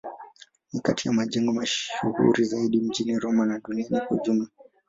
Ni kati ya majengo mashuhuri zaidi mjini Roma na duniani kwa ujumla.